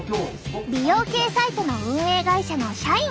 美容系サイトの運営会社の社員。